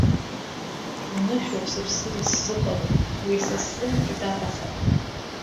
Унышәоуп сыԥсыр исзыҟало, уи са сзын итатахап.